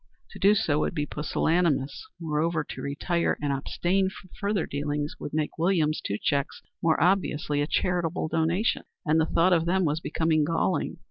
To do so would be pusillanimous; moreover to retire and abstain from further dealings would make Williams' two cheques more obviously a charitable donation, and the thought of them was becoming galling.